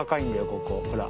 ここほら。